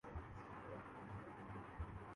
حالانکہ یہ والدین کافرض ہے بچوں کو خودکلینک لےکرجائیں۔